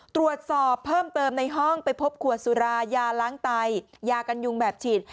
ตรวจสอบเพิ่มเติมในห้องไปพบขวดสุรายาล้างไตยากันยุงแบบฉีด